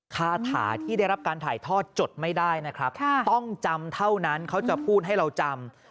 คาถาที่ได้รับการถ่ายทอดจดไม่ได้นะครับต้องจำเท่านั้นเขาจะพูดให้เราจำ